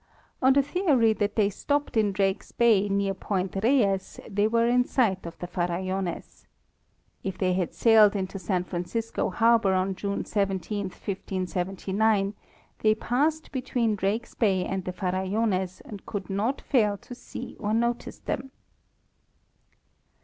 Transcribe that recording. On the theory that they stopped in Drakes bay near point: Reyes, they were in sight of the Farallones. If they had sailed into San Francisco harbor on June 17, 1579, they passed between Drakes bay and the Farallones and could not fail to see or notice them.